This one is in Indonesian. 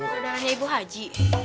perdananya ibu haji